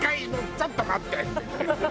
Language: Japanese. ちょっと待ってって言って。